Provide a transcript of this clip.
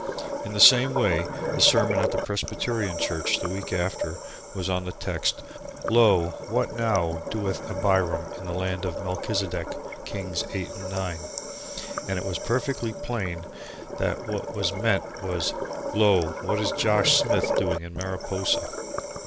In the same way the sermon at the Presbyterian church the week after was on the text "Lo what now doeth Abiram in the land of Melchisideck Kings Eight and Nine?" and it was perfectly plain that what was meant was, "Lo, what is Josh Smith doing in Mariposa?"